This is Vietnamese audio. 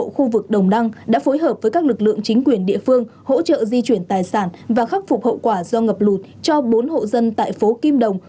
khu vực đồng đăng đã phối hợp với các lực lượng chính quyền địa phương hỗ trợ di chuyển tài sản và khắc phục hậu quả do ngập lụt cho bốn hộ dân tại phố kim đồng